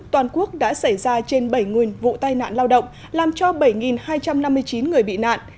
toàn quốc đã xảy ra trên bảy nguyên vụ tai nạn lao động làm cho bảy hai trăm năm mươi chín người bị nạn